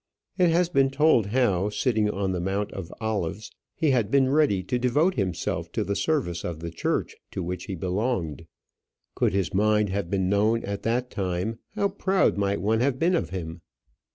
It has been told how, sitting on the Mount of Olives, he had been ready to devote himself to the service of the church to which he belonged. Could his mind have been known at that time, how proud might one have been of him!